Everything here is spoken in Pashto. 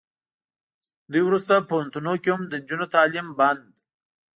دوی ورسته پوهنتونونو کې هم د نجونو تعلیم بند